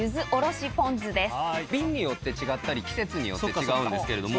便によって違ったり季節によって違うんですけれども。